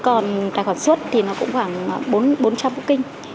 còn tài khoản xuất thì cũng khoảng bốn trăm linh booking